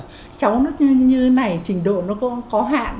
tôi bảo cháu nó như thế này trình độ nó có hạn